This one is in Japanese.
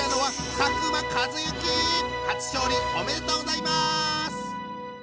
初勝利おめでとうございます！